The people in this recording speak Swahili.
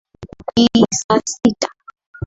Ni saa sita.